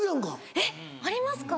えっ！ありますか？